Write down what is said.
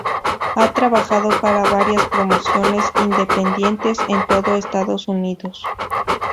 Ha trabajado para varias promociones independientes en todo Estados Unidos.